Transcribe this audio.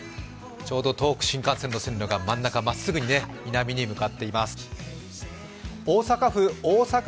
ちょうど東北新幹線の線路がまっすぐ南に向かっています。